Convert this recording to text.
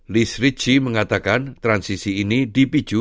lis richi mengatakan transisi ini dipicu